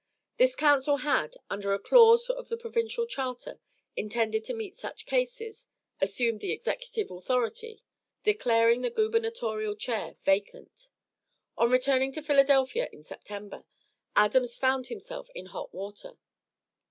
This council had, under a clause of the provincial charter intended to meet such cases, assumed the executive authority, declaring the gubernatorial chair vacant. On returning to Philadelphia in September, Adams found himself in hot water.